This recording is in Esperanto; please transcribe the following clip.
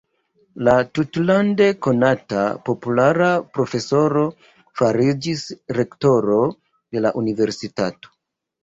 La tutlande konata, populara profesoro fariĝis rektoro de la universitato.